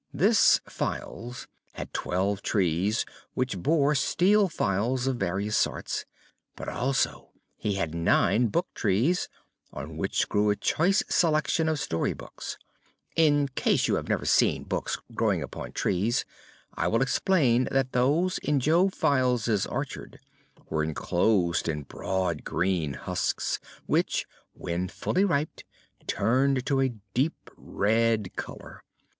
This Files had twelve trees which bore steel files of various sorts; but also he had nine book trees, on which grew a choice selection of story books. In case you have never seen books growing upon trees, I will explain that those in Jo Files' orchard were enclosed in broad green husks which, when fully ripe, turned to a deep red color.